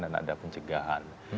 dan ada pencegahan